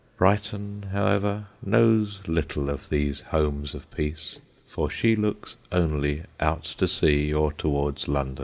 Brighton, however, knows little of these homes of peace, for she looks only out to sea or towards London.